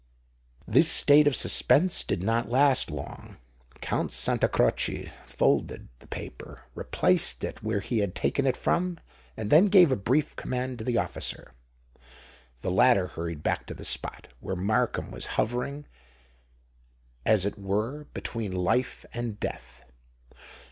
This state of suspense did not last long. Count Santa Croce folded the paper, replaced it where he had taken it from, and then gave a brief command to the officer. The latter hurried back to the spot where Markham was hovering as it were between life and death.